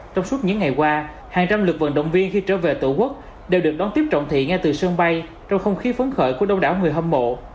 trong suốt những ngày qua hàng trăm lượt vận động viên khi trở về tổ quốc đều được đón tiếp trọng thị ngay từ sân bay trong không khí phấn khởi của đông đảo người hâm mộ